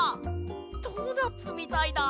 ドーナツみたいだ。